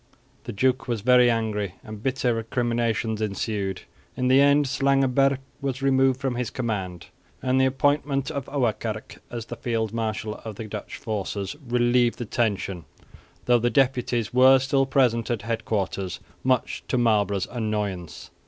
The duke was very angry, and bitter recriminations ensued. In the end Slangenburg was removed from his command; and the appointment of Ouwerkerk, as field marshal of the Dutch forces, relieved the tension, though the deputies were still present at headquarters, much to Marlborough's annoyance.